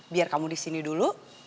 biar kamu di sini dulu